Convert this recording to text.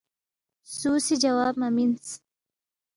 سُو سی جواب مہ مِنس